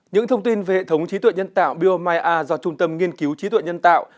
những thông tin về hệ thống trí tuệ nhân tạo biomai a do trung tâm nghiên cứu trí tuệ nhân tạo